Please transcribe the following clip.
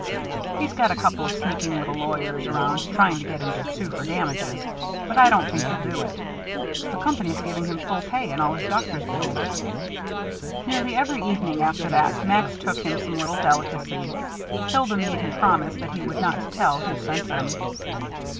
He's got a couple of sneaking little lawyers around trying to get him to sue for damages, but I don't think he'll do it. The Company's giving him full pay and all his doctor's bills." Nearly every evening after that Max took him some little delicacy. Hilda made him promise that he would not tell who sent them.